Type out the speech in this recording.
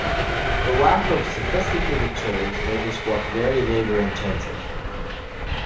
The lack of sophisticated tools made this work very labor-intensive.